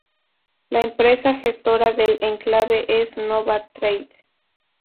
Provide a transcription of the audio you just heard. La empresa gestora del enclave es Nova Trade.